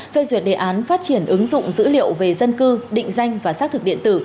phê duyệt đề án phát triển ứng dụng dữ liệu về dân cư định danh và xác thực điện tử